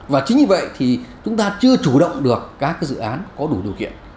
và chính như vậy thì chúng ta chưa chủ động được các dự án